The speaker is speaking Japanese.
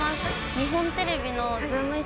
日本テレビのズームイン！！